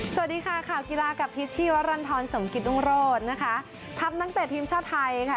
สวัสดีค่ะข่าวกีฬากับพิชชีวรรณฑรสมกิตรุงโรธนะคะทัพนักเตะทีมชาติไทยค่ะ